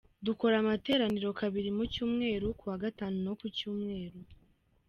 Dukora amateraniro kabiri mu cyumweru : kuwa gatatu no Ku cyumweru.